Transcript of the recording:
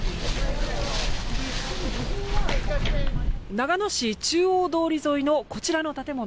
長野市中央通り沿いのこちらの建物。